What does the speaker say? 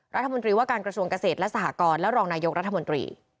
รัฐมนตรีว่าการกระทรวงเกษตรและสหกรณ์และรองนายกรัฐมนตรี